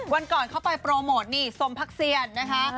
วันก่อนเขาไปโปรโมตสมภักดิ์เซียนนะฮะ